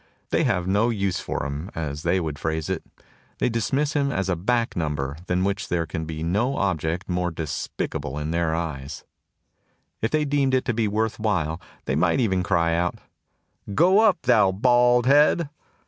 They have no use for him, as they would phrase it; they dismiss him as a back number, than which there can be no object more despicable in their 4 THE TOCSIN OF REVOLT eyes. If they deemed it to be worth while they might even cry out, "Go up, thou bald head!"